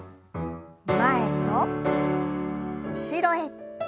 前と後ろへ。